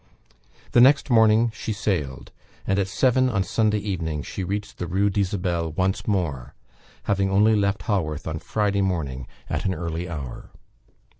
The next morning she sailed; and at seven on Sunday evening she reached the Rue d'Isabelle once more; having only left Haworth on Friday morning at an early hour.